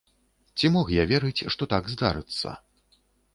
Ці мог я верыць, што так здарыцца.